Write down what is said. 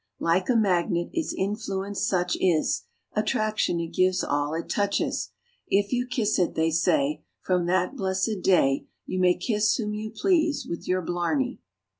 u Like a magnet its influence such is, Attraction it gives all it touches ; If you kiss it, they say, from that blessed day You may kiss whom you please wid your Blarney."